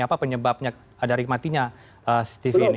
apa penyebabnya dari matinya cctv ini